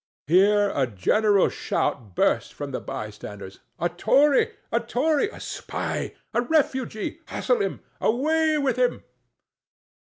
Here a general shout burst from the by standers—"A tory! a tory! a spy! a refugee! hustle him! away with him!"